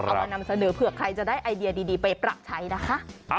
เอามานำเสนอเผื่อใครจะได้ไอเดียดีไปปรับใช้นะคะ